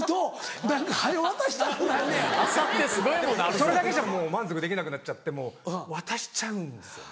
それだけじゃ満足できなくなっちゃって渡しちゃうんですよね。